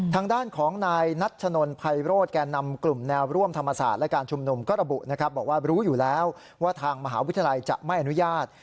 ทางด้านของนายนัชนนภัยโรธแก่นำกลุ่มแนวร่วมธรรมศาสตร์และการชุมนุมก็ระบุนะครับบอกว่ารู้อยู่แล้วว่าทางมหาวิทยาลัยจะไม่อนุญาต